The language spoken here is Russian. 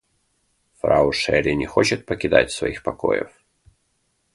Фрау Шерри не хочет покидать своих покоев.